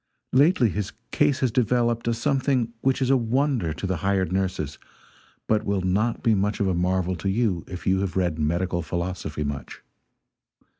Lately his case has developed a something which is a wonder to the hired nurses, but which will not be much of a marvel to you if you have read medical philosophy much.